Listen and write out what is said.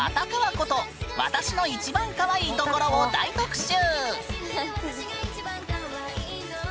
こと「わたしの一番かわいいところ」を大特集！